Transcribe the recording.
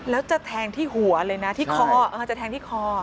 แล้วจะแทงที่หัวเลยนะที่คอจะแทงที่คอ